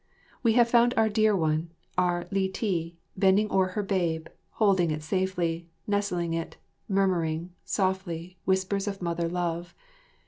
We found our dear one, our Li ti, bending o'er her babe, holding it safely, nestling it, murmuring, softly, whispers of mother love.